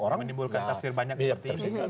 menimbulkan taksir banyak seperti ini